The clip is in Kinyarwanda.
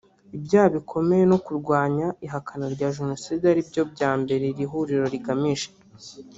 ibyaha bikomeye no kurwanya ihakana rya jenoside ari byo bya mbere iri huriro rigamije